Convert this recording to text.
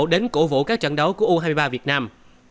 đến cổ vũ các trận đấu của u hai mươi ba việt nam